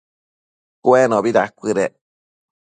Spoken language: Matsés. Cuenobi dacuëdec